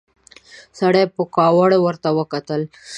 سړي په کاوړ ورته وکتل.